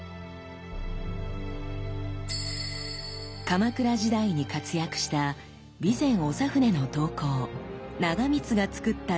鎌倉時代に活躍した備前長船の刀工長光がつくった代表作。